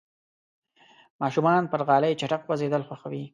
ماشومان پر غالۍ چټک خوځېدل خوښوي.